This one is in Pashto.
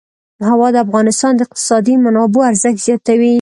هوا د افغانستان د اقتصادي منابعو ارزښت زیاتوي.